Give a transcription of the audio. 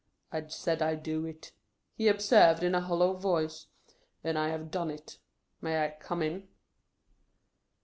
" I said I 'd do it," he observed, in a hollow voice, "and I have done it. May I come in?"